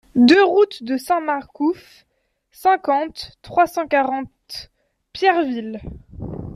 deux route de Saint-Marcouf, cinquante, trois cent quarante, Pierreville